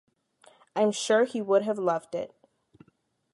I’m sure he would have loved it.